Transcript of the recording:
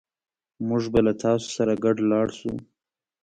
موږ به له تاسو سره ګډ لاړ شو